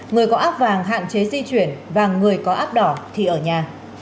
người có áp vàng hạn chế di chuyển và người có áp đỏ thì ở nhà